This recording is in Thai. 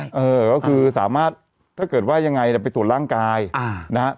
แต่ก็คือสามารถถ้าเกิดว่ายังไงไปตรวจร่างกายนะ